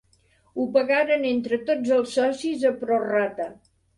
Ho pagaren entre tots els socis a prorrata.